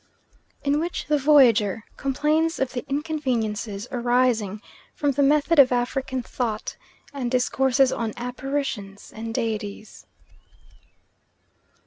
In which the Voyager complains of the inconveniences arising from the method of African thought, and discourses on apparitions and Deities.